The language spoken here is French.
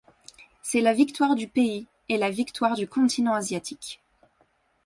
C'est la victoire du pays et la victoire du continent asiatique.